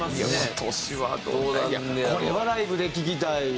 今年はいやこれはライブで聴きたいですね。